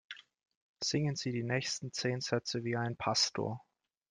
Singen Sie die zehn nächsten Sätze wie ein Pastor!